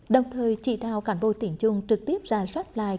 đồng thời trị đào cản bộ tỉnh dung trực tiếp ra soát lại